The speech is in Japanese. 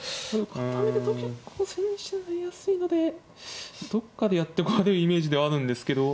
固めると結構千日手になりやすいのでどっかでやってこられるイメージではあるんですけど。